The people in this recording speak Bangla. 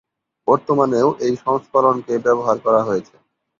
বর্তমানেও এই সংস্করণকে ব্যবহার করা হয়েছে।